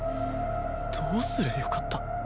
どうすりゃよかった？